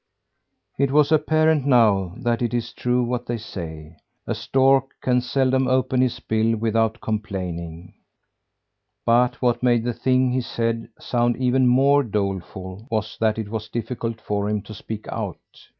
It was apparent now that it is true what they say: a stork can seldom open his bill without complaining. But what made the thing he said sound even more doleful was that it was difficult for him to speak out.